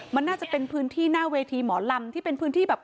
มันน่าจะเป็นพื้นที่หน้าเวทีหมอลำที่เป็นพื้นที่แบบ